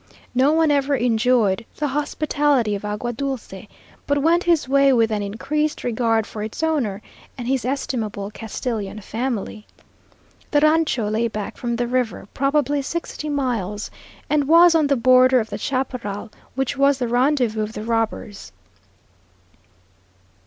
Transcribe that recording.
No one ever enjoyed the hospitality of Agua Dulce but went his way with an increased regard for its owner and his estimable Castilian family. The rancho lay back from the river probably sixty miles, and was on the border of the chaparral, which was the rendezvous of the robbers.